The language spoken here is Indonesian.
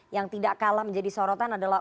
yang tidak kalah menjadi sorotan adalah